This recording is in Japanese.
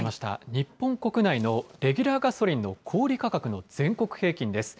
日本国内のレギュラーガソリンの小売り価格の全国平均です。